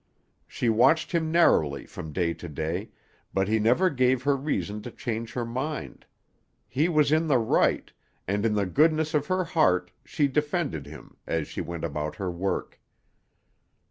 She watched him narrowly from day to day, but he never gave her reason to change her mind he was in the right, and in the goodness of her heart she defended him, as she went about her work.